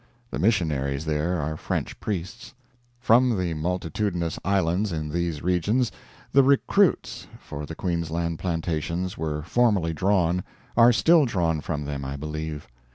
The missionaries there are French priests. From the multitudinous islands in these regions the "recruits" for the Queensland plantations were formerly drawn; are still drawn from them, I believe.